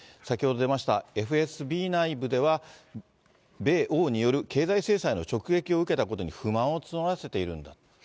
先ほど出ました、ＦＳＢ内部では、米欧による経済制裁の直撃を受けたことに不満を募らせているんだと。